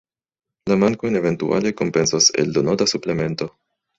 La mankojn eventuale kompensos eldonota suplemento.